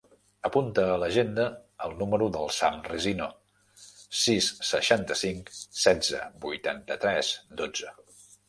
Apunta a l'agenda el número del Sam Resino: sis, seixanta-cinc, setze, vuitanta-tres, dotze.